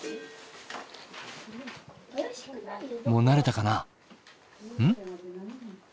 もう慣れたかな？